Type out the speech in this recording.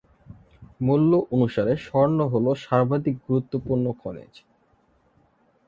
মূল্য অনুসারে স্বর্ণ হল সর্বাধিক গুরুত্বপূর্ণ খনিজ।